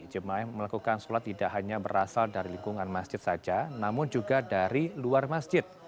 jemaah yang melakukan sholat tidak hanya berasal dari lingkungan masjid saja namun juga dari luar masjid